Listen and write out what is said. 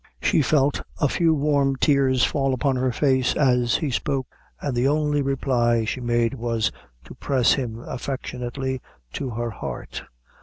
She felt a few warm tears fall upon her face as he spoke; and the only reply she made was, to press him affectionately to her heart.